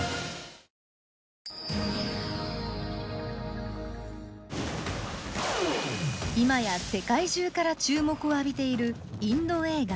今や世界中から注目を浴びているインド映画。